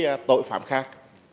và các tội phạm khác